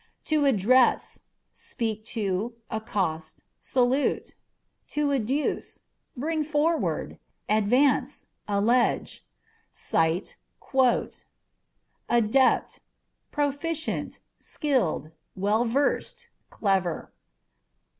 To Address â€" speak to, accost, salute. To Adduce â€" bring forward, advance, allege ; cite, quote. Adept â€" proficient, skilled, well versed, clever.